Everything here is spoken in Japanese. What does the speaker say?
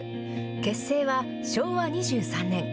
結成は昭和２３年。